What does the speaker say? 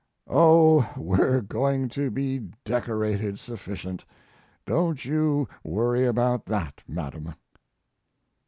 Oh, we're going to be decorated sufficient, don't you worry about that, madam.